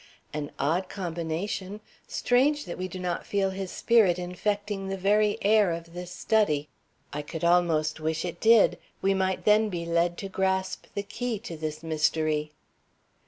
"An odd combination. Strange that we do not feel his spirit infecting the very air of this study. I could almost wish it did. We might then be led to grasp the key to this mystery."